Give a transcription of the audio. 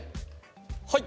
はい。